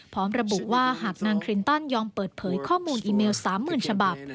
พร้อมระบุว่าหากนางคลินตันยอมเปิดเผยข้อมูลอีเมล๓๐๐๐ฉบับ